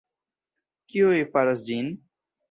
Kiuj faros ĝin?